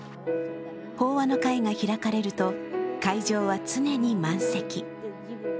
法話の会が開かれると、会場は常に満席。